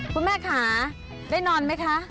คุณแม่ค่ะได้นอนไหมคะ